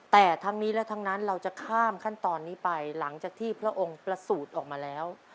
แต่ทั้งนี้และทั้งนั้นเราจะข้ามขั้นตอนนี้ไปหลังจากที่พระองค์ประสูจน์ออกมาแล้ว